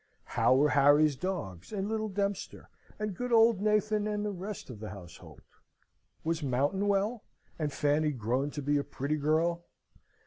How were Harry's dogs, and little Dempster, and good old Nathan, and the rest of the household? Was Mountain well, and Fanny grown to be a pretty girl?